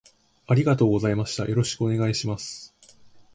ありがとうございましたよろしくお願いします